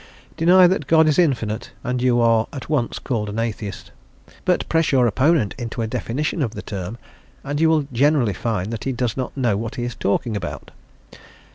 Deny that God is infinite and you are at once called an atheist, but press your opponent into a definition of the term and you will generally find that he does not know what he is talking about.